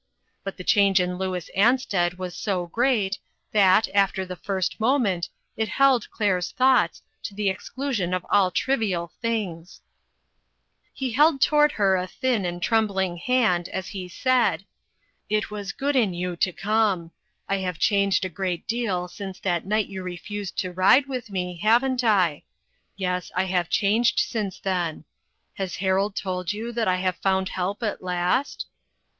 But the change in Louis Ansted was so great, that, after the first moment, it held Claire's thoughts, to the exclusion of all trivial things. He held toward her a thin and trembling hand, as he said : AN ESCAPED VICTIM. 405 " It was good in you to come. I have changed a great deal since that night you refused to ride with me, haven't I ? Yes, I have changed since then. Has Harold told you that I have found help at last